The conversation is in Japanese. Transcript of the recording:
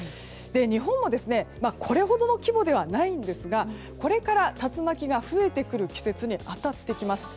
日本はこれほどの規模ではないんですがこれから、竜巻が増えてくる季節に当たってきます。